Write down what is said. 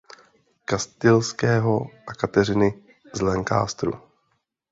Kastilského a Kateřiny z Lancasteru.